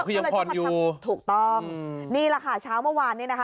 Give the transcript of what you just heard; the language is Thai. คือยังพอดีอยู่ถูกต้องนี่แหละค่ะเช้าเมื่อวานนี้นะคะ